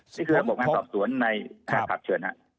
นี่คือบอกว่างานสอบส่วนในท่าขับเชิญ